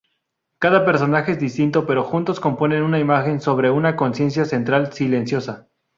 Cada personaje es distinto, pero juntos componen una imagen sobre una conciencia central silenciosa.